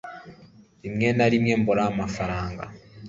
rimwe na rimwe mbura amafaranga